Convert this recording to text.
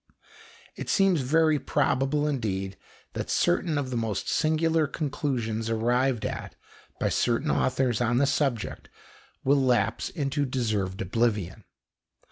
It seems very probable indeed that certain of the most singular conclusions arrived at by certain authors on the subject will lapse into deserved oblivion.